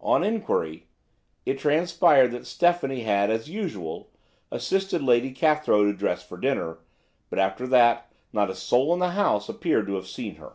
On enquiry, it transpired that Stephanie had, as usual, assisted Lady Cathrow to dress for dinner; but after that not a soul in the house appeared to have seen her.